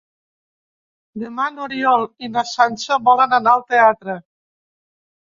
Demà n'Oriol i na Sança volen anar al teatre.